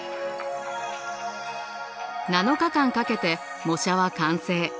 ７日間かけて模写は完成。